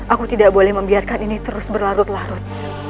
aku tidak boleh membiarkan ini terus berlarut larut